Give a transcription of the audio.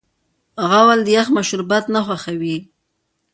غول د یخ مشروبات نه خوښوي.